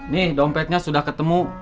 nih dompetnya sudah ketemu